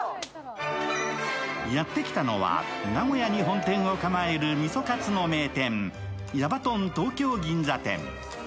やって来たのは、名古屋に本店を構えるみそかつの名店、矢場とん東京銀座店。